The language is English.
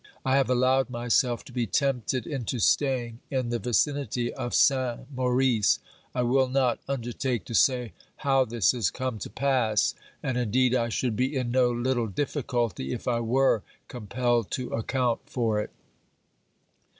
I have allowed myself to be tempted into staying in the vicinity of Saint Maurice. I will not undertake to say how this has come to pass, and indeed I should be in no little difficulty if I were compelled to account for it.